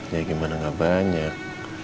ya gimana gak banyak